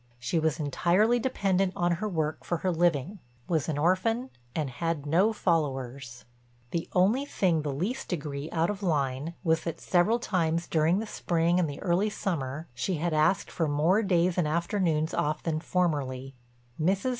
She was entirely dependent on her work for her living, was an orphan, and had no followers. The only thing the least degree out of line was that several times during the spring and the early summer she had asked for more days and afternoons off than formerly. Mrs.